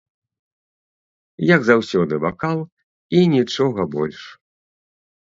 Як заўсёды вакал і нічога больш.